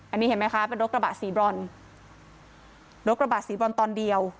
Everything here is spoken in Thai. อันนี้เห็นไหมคะเป็นรถกระบะสีบรอนรถกระบะสีบรอนตอนเดียว